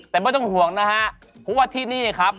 ตามแอฟผู้ชมห้องน้ำด้านนอกกันเลยดีกว่าครับ